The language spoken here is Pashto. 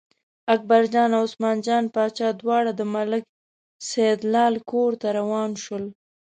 اکبرجان او عثمان جان باچا دواړه د ملک سیدلال کور ته روان شول.